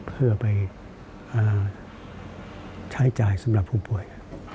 เพื่อไปใช้จ่ายสำหรับผู้ป่วย